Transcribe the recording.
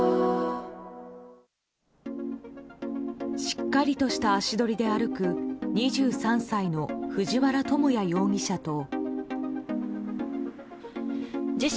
しっかりとした足取りで歩く２３歳の藤原友哉容疑者と。